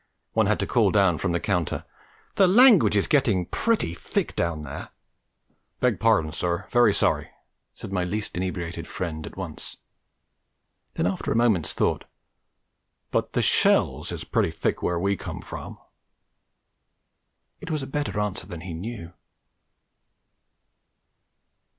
one had to call down from the counter. 'The language is getting pretty thick down there!' 'Beg pardon, sir. Very sorry,' said my least inebriated friend, at once; then, after a moment's thought 'But the shells is pretty thick where we come from!' It was a better answer than he knew.